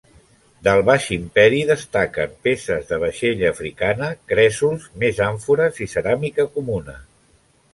Del Baix Imperi destaquen peces de vaixella africana, cresols, més àmfores i ceràmica comuna.